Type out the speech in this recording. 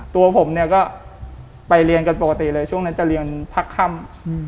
ตัวผมเนี่ยก็ไปเรียนกันปกติเลยช่วงนั้นจะเรียนพักค่ำ